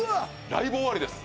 ライブ終わりです